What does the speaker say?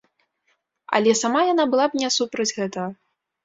Але сама яна была б не супраць гэтага.